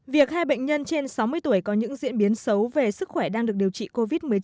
việc hai bệnh nhân trên sáu mươi tuổi có những diễn biến xấu về sức khỏe đang được điều trị covid một mươi chín